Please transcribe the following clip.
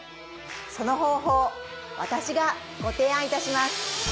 その方法私がご提案いたします